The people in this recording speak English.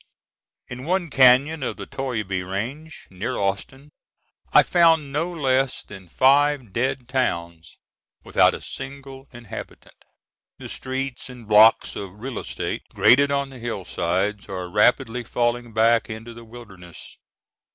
In one cañon of the Toyabe range, near Austin, I found no less than five dead towns without a single inhabitant. The streets and blocks of "real estate" graded on the hillsides are rapidly falling back into the wilderness.